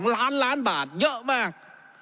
ล้านล้านบาทเยอะมาก